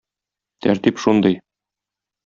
Тәртип шундый.